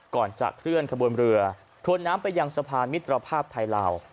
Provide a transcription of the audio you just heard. ก่อนจะเคลื่อนขบวนเรือทวนน้ำไปยังสะพานมิตรภาพไทยลาว